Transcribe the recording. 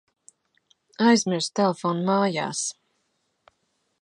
Aizmirsu telefonu mājās.